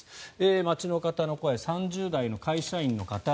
街の方の声３０代の会社員の方。